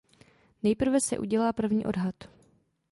Nejprve se udělá první odhad.